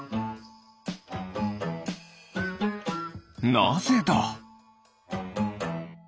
なぜだ？